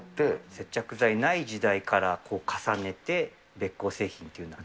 接着剤ない時代から重ねて、べっ甲製品っていうのは。